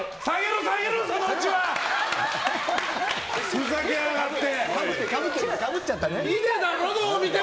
ふざけやがって！